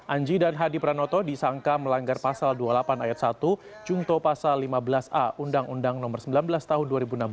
anji dan hadi pranoto disangka melanggar pasal dua puluh delapan ayat satu cungto pasal lima belas a undang undang nomor sembilan belas tahun dua ribu enam belas